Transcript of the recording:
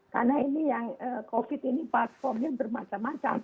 karena ini yang covid ini platformnya bermacam macam